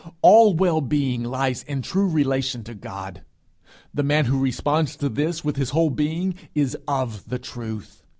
All well being lies in true relation to God. The man who responds to this with his whole being, is of the truth.